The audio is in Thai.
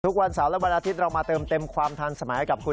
วันเสาร์และวันอาทิตย์เรามาเติมเต็มความทันสมัยกับคุณ